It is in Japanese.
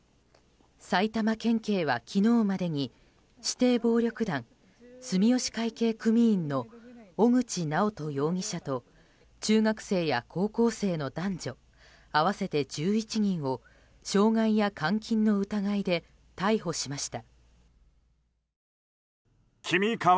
埼玉県警は昨日までに指定暴力団住吉会系組員の小口直斗容疑者と中学生や高校生の男女合わせて１１人を傷害や監禁の疑いで逮捕しました。